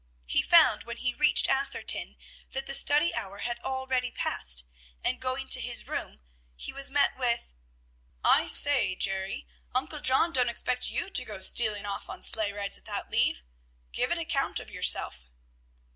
He found when he reached Atherton that the study hour had already passed, and, going to his room, he was met with, "I say, Jerry; Uncle John don't expect you to go stealing off on sleigh rides without leave. Give an account of yourself."